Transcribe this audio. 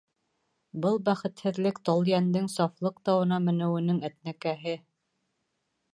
— Был бәхетһеҙлек Талйәндең Сафлыҡ тауына менеүенең әтнә-кәһе!